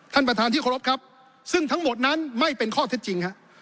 ท่านประธานที่เคารพครับซึ่งทั้งหมดนั้นไม่เป็นข้อเท็จจริงฮะ